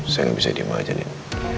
saya gak bisa diem aja nih